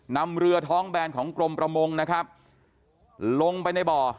นำเรือท้องแบนของกรมประมงนะครับลงไปในบ่อ